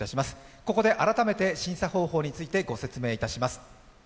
ここで改めて審査方法についてご説明いたします。